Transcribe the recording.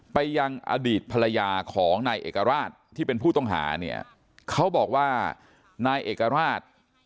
ไปยังอดีตภรรยาของนายเอกราชที่เป็นผู้ต้องหาเนี่ยเขาบอกว่านายเอกราช